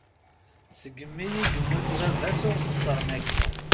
Segmi i yemmut baba-s ur qesren akka.